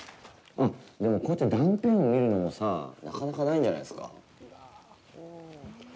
でも、こうやって断片を見るのもさなかなかないんじゃないですか。